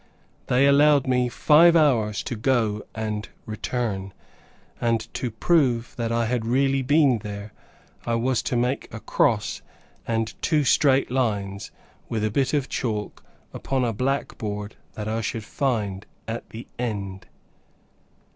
They allowed me five hours to go and return; and to prove that I had really been there, I was to make a cross, and two straight lines, with a bit of chalk, upon a black board that I should find at the end.